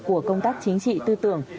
của công tác chính trị tư tưởng